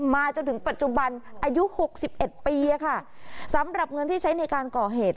จนถึงปัจจุบันอายุหกสิบเอ็ดปีอะค่ะสำหรับเงินที่ใช้ในการก่อเหตุ